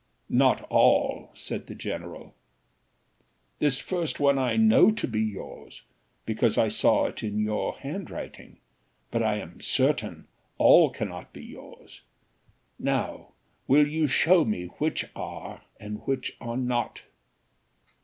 "Not all," said the general: "this first one I know to be yours, because I saw it in your handwriting; but I am certain all cannot be yours: now will you show me which are and which are not."